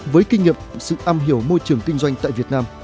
với kinh nghiệm sự am hiểu môi trường kinh doanh tại việt nam